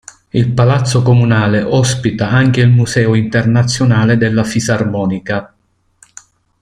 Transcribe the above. Il palazzo comunale ospita anche il museo internazionale della fisarmonica.